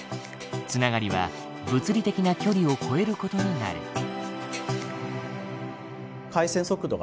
繋がりは物理的な距離を超えることになる。